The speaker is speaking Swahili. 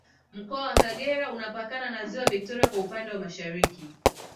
Mkoa wa Kagera unapakana na Ziwa Victoria kwa upande wa Mashariki